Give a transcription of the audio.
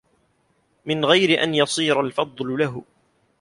مِنْ غَيْرِ أَنْ يَصِيرَ الْفَضْلُ لَهُ